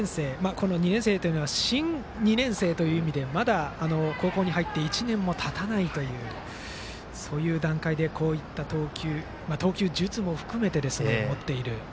この２年生というのは新２年生という意味でまだ高校に入って１年もたたないというそういう段階でこうした投球術も含めて持っている。